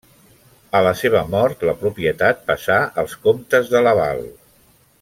A la seva mort, la propietat passà als Comtes de Laval.